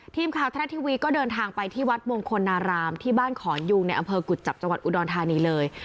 ทรัฐทีวีก็เดินทางไปที่วัดมงคลนารามที่บ้านขอนยูงในอำเภอกุจจับจังหวัดอุดรธานีเลย